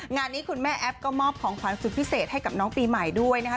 งานนี้คุณแม่แอฟก็มอบของขวัญสุดพิเศษให้กับน้องปีใหม่ด้วยนะคะ